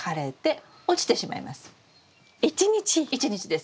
１日です。